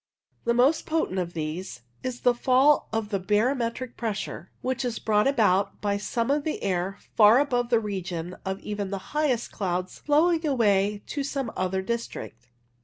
The most potent of these is a fall of the barometric pressure, which is brought about by some of the air far above the region of even the highest clouds flowing away to some other district.